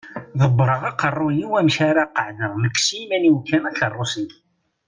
Ḍebbreɣ aqerru-iw amek ara qeεεdeɣ nekk s yiman-iw kan akeṛṛus-iw.